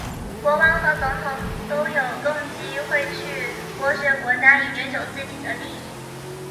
国王和总统都有动机会去剥削国家以追求自己的利益。